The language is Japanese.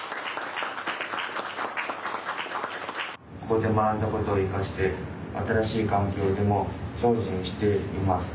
ここで学んだことを生かして新しい環境でも精進していきます。